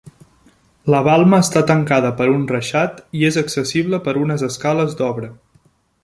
La balma està tancada per un reixat i és accessible per unes escales d'obra.